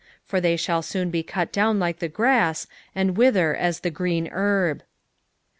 2 For they shall soon be cut down like the grass, and wither as the green herb.